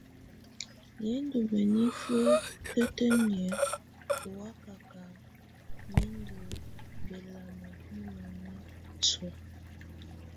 Lɛ́ ndù mǝnifǝ titǝniǝ́ ù wakaka mɛ ndù bɛlama bɛ nioni sɔ̀á.